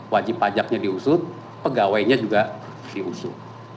wajib pajaknya diusut pegawainya juga diusut